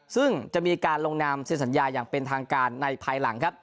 ซึ่งจะมีการลงนามเซ็นสัญญาอย่างเป็นทางการในภายหลังครับ